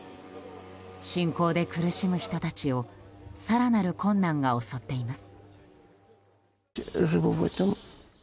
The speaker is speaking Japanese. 侵攻で苦しむ人たちを更なる困難が襲っています。